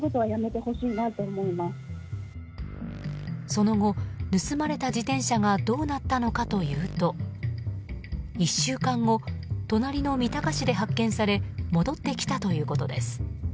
その後、盗まれた自転車がどうなったのかというと１週間後、隣の三鷹市で発見され戻ってきたということです。